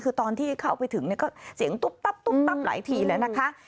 คือตอนที่เข้าไปถึงก็เสียงตุ๊บตับตุ๊บตับหลายทีแล้วนะคะ